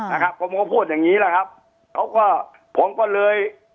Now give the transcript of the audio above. นะครับผมก็พูดอย่างงี้แหละครับเขาก็ผมก็เลย